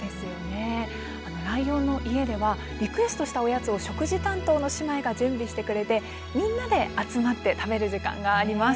ライオンの家ではリクエストしたおやつを食事担当の姉妹が準備してくれてみんなで集まって食べる時間があります。